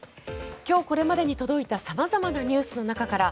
今日これまでに届いた様々なニュースの中から